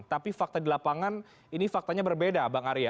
tapi fakta di lapangan ini faktanya berbeda bang arya